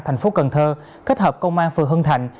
thành phố cần thơ kết hợp công an phường hưng thạnh